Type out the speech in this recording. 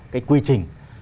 cái quy trình